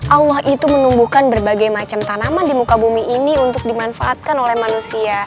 allah itu menumbuhkan berbagai macam tanaman di muka bumi ini untuk dimanfaatkan oleh manusia